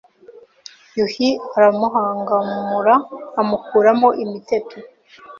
Yuhi aramuhangamura amukuramo imiteto